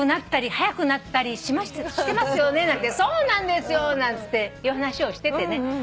そうなんですよなんていう話をしててね。